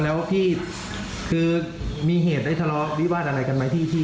แล้วพี่คือมีเหตุได้ทะเลาะวิวาสอะไรกันไหม